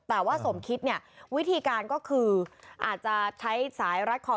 แต่ว่าสมคิดเนี่ยวิธีการก็คืออาจจะใช้สายรัดคอ